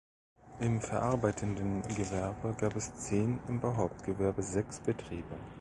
Im verarbeitenden Gewerbe gab es zehn, im Bauhauptgewerbe sechs Betriebe.